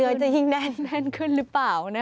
มีอาจจะเหนือแน่นแน่นขึ้นหรือเปล่า